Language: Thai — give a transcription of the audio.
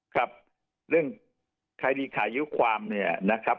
ครับเรื่องใครรีขายุความเนี่ยนะครับ